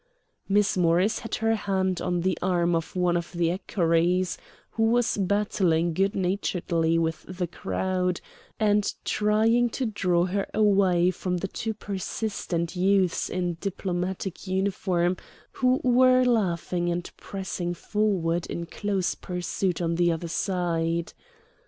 Miss Morris had her hand on the arm of one of the equerries, who was battling good naturedly with the crowd, and trying to draw her away from two persistent youths in diplomatic uniform who were laughing and pressing forward in close pursuit on the other side.